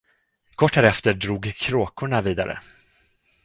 Kort därefter drog kråkorna vidare.